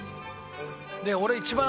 で俺一番。